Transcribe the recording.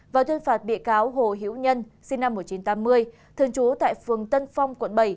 vào thương phạt bị cáo hồ hữu nhân sinh năm một nghìn chín trăm tám mươi thường trú tại phường tân phong quận bảy